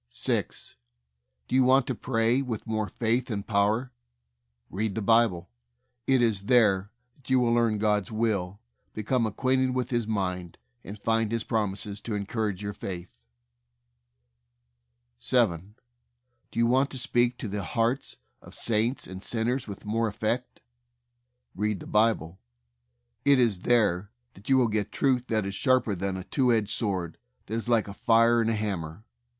6. Do you want to pray with more faith and power? Read the Bible. It is there that you will learn God's will, become ac quainted with His mind, and find His prom ises to encourage your faith. 7. Do you want to speak to the hearts of saints and sinners with more effect? Read the Bible. It is there that you will get truth that is sharper than a two edged sword, that is like a fire and a hammer.